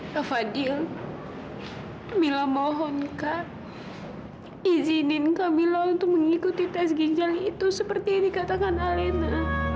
pak fadil bila mohon kak izinin kamilah untuk mengikuti tes ginjal itu seperti yang dikatakan alena